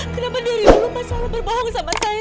kenapa dari dulu mas selalu berbohong sama saya